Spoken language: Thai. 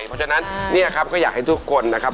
เพราะฉะนั้นเนี่ยครับก็อยากให้ทุกคนนะครับ